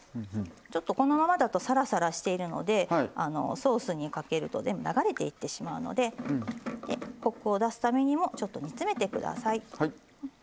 ちょっとこのままだとサラサラしているのでソースにかけると全部流れていってしまうのでコクを出すためにもちょっと煮詰めてください。